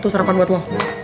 tuh sarapan buat lu